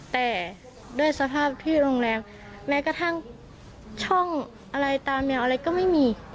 แต่ด้วยสภาพที่โรงแรมแม้กระทั่งช่องอะไรตาแมวอะไรก็ไม่มี